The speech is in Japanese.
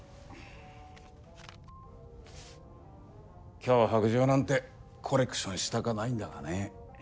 脅迫状なんてコレクションしたかないんだがね